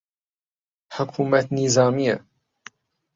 حکوومەت نیزامییە